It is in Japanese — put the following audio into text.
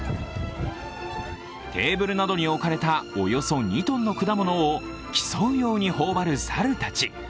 テーブルなどに置かれたおよそ２ｔの果物を競うように頬張る猿たち。